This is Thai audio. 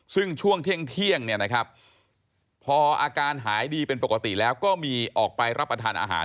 ซึ่งช่วงเที่ยงเนี่ยนะครับพออาการหายดีเป็นปกติแล้วก็มีออกไปรับประทานอาหาร